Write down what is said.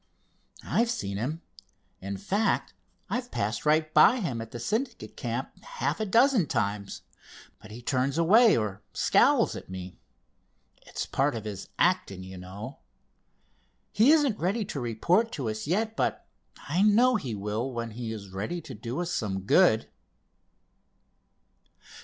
"I've seen him, in fact I've passed right by him at the Syndicate camp half a dozen times, but he turns away, or scowls at me. It's part of his 'acting' you know. He isn't ready to report to us yet, but I know he will when he is ready to do us some good."